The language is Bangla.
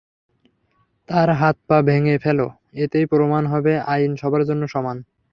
তার হাত-পা ভেঙে ফেলো, এতেই প্রমান হবে আইন সবার জন্য সমান!